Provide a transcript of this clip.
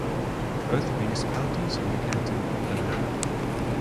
Both municipalities are in the canton of Bern.